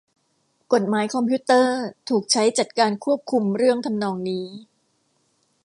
กฎหมายคอมพิวเตอร์ถูกใช้จัดการควบคุมเรื่องทำนองนี้